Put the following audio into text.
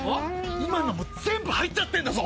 今のも全部入っちゃってんだぞ？